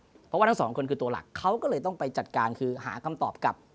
เพราะว่าทั้งสองคนคือตัวหลักเขาก็เลยต้องไปจัดการคือหาคำตอบกลับ